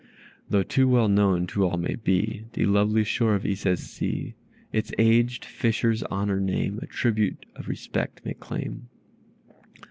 Though too well known to all may be The lovely shore of Ise's sea; Its aged fisher's honored name, A tribute of respect may claim."